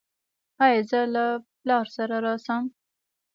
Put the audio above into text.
ایا زه له پلار سره راشم؟